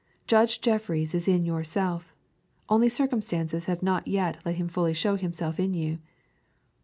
Judge Jeffreys is in yourself, only circumstances have not yet let him fully show himself in you.